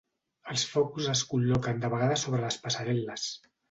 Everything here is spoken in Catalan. Els focus es col·loquen de vegades sobre les passarel·les.